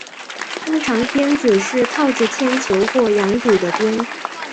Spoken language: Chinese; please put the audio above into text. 通常鞭子是套着铅球或羊骨的鞭。